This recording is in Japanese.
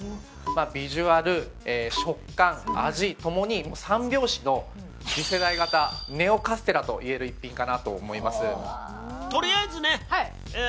ビジュアル食感味ともに三拍子の次世代型ネオカステラと言える一品かなと思います。